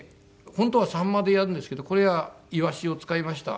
本当はサンマでやるんですけどこれはイワシを使いました。